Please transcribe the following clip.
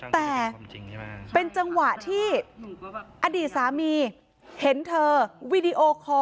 แต่เป็นจังหวะที่อดีตสามีเห็นเธอวีดีโอคอร์